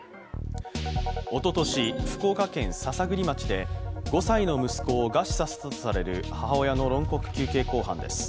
おととし福岡県篠栗町で５歳の息子を餓死させたとされる母親の論告求刑公判です。